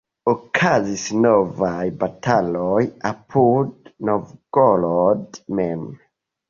Okazis novaj bataloj apud Novgorod mem.